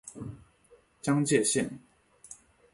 江界线